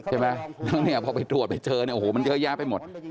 ใช่ไหมแล้วพอไปตรวจไปเจอโอ้โหมันเยอะแยะไปหมด